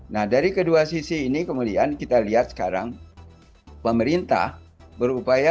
nah dari kedua sisi ini kemudian kita lihat sekarang pemerintah berupaya